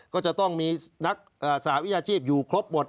ก็จะต้องมีนักสหวิชาชีพอยู่ครบหมด